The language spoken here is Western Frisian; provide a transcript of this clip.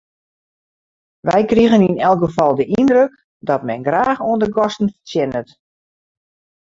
Wy krigen yn elk gefal de yndruk dat men graach oan de gasten fertsjinnet.